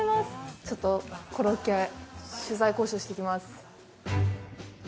ちょっとコロッケ、取材交渉してきます。